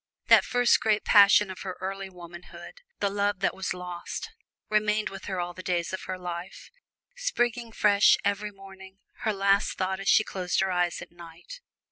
That first great passion of her early womanhood, the love that was lost, remained with her all the days of her life: springing fresh every morning, her last thought as she closed her eyes at night.